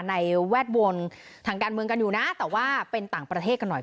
แวดวงทางการเมืองกันอยู่นะแต่ว่าเป็นต่างประเทศกันหน่อย